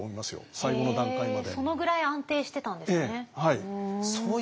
そのぐらい安定してたんですね。